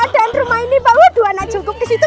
keadaan rumah ini dua anak cukup kesitu